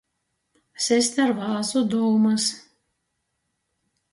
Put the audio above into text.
Sist ar vāzu dūmys.